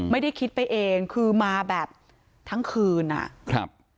ไม่ได้คิดไปเองคือมาแบบทั้งคืนอ่ะครับ